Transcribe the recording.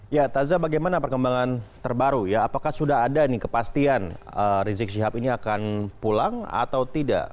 ya taza bagaimana perkembangan terbaru ya apakah sudah ada nih kepastian rizik syihab ini akan pulang atau tidak